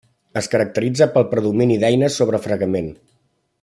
Es caracteritza pel predomini d'eines sobre fragment.